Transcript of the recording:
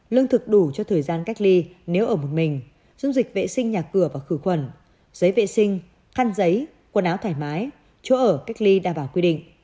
lương thực đủ cho thời gian cách ly nếu ở một mình dung dịch vệ sinh nhà cửa và khử khuẩn giấy vệ sinh khăn giấy quần áo thoải mái chỗ ở cách ly đảm bảo quy định